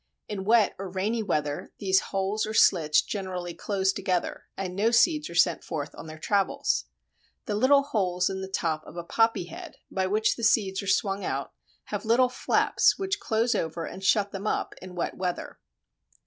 In wet or rainy weather these holes or slits generally close together, and no seeds are sent forth on their travels. The little holes in the top of a poppy head by which the seeds are swung out have little flaps, which close over and shut them up in wet weather.